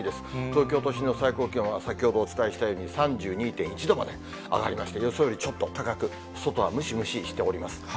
東京都心の最高気温は先ほどお伝えしたように、３２．１度まで上がりまして、予想よりちょっと高く、外はムシムシしております。